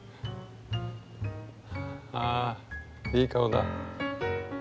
あいい顔だ。